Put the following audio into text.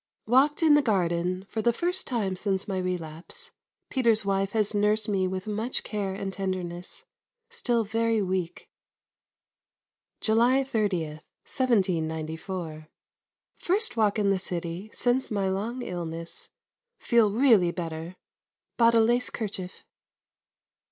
Walked in the garden for the first time since my relapse. Peter's wife has nursed me with much care and tenderness. Still very weak. July 30, 1794. First walk in the city since my long illness. Feel really better. Bought a lace kerchief.